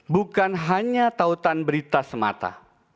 bukan hanya tautan berita semata